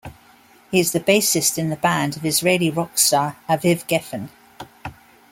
He is the bassist in the band of Israeli rock star Aviv Geffen.